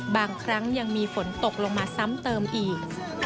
บางครั้งยังมีฝนตกลงมาซ้ำเติมอีก